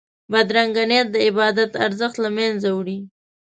بدرنګه نیت د عبادت ارزښت له منځه وړي